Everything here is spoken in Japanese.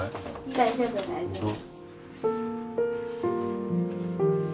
大丈夫大丈夫。